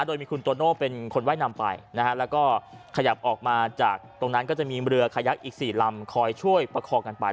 โดยมีคุณโตโน่เป็นคนไห้นำไปนะฮะแล้วก็ขยับออกมาจากตรงนั้นก็จะมีเรือขยักอีก๔ลำคอยช่วยประคองกันไป